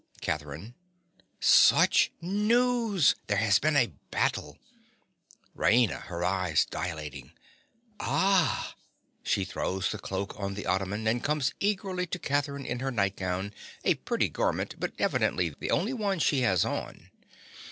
CATHERINE. Such news. There has been a battle! RAINA. (her eyes dilating). Ah! (_She throws the cloak on the ottoman, and comes eagerly to Catherine in her nightgown, a pretty garment, but evidently the only one she has on.